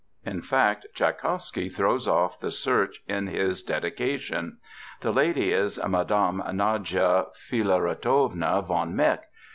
In fact, Tschaikowsky throws off the search in his dedication. The lady is Madame Nadia Filaretovna von Meck.